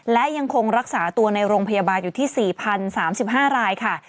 และยังคงรักษาตัวในโรงพยาบาลอยู่ที่๔๐๓๕รายค่ะ